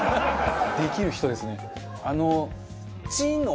できる人ですね。